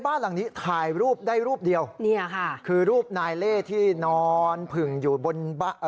บ้านหลังนี้ถ่ายรูปได้รูปเดียวเนี่ยค่ะคือรูปนายเล่ที่นอนผึ่งอยู่บนเอ่อ